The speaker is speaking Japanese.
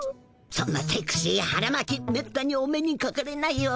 そんなセクシーはらまきめったにお目にかかれないよ。